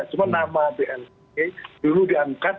cuma nama blt dulu diangkat